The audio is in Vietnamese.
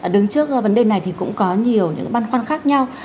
đứng trước vấn đề này thì cũng có nhiều những băn khoăn khác nhau